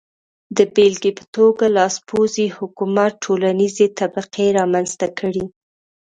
د بېلګې په توګه لاسپوڅي حکومت ټولنیزې طبقې رامنځته کړې.